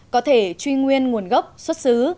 có thể truy nguyên nguồn gốc xuất xứ